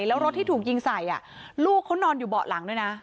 แล้วรถที่ถูกยิงใส่ลูกเขานอนอยู่เบาะหลังด้วยนะ